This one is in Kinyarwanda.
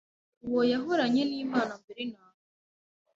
Uwo yahoranye n’Imana mbere na mbere.